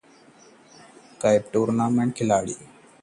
cab के tournament में कोई विदेशी खिलाड़ी नहीं